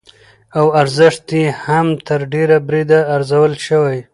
او ارزښت يې هم تر ډېره بريده ارزول شوى،